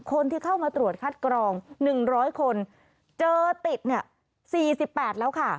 คนที่เข้ามาตรวจคัดกรอง๑๐๐คนเจอติดเนี่ย๔๘แล้วค่ะ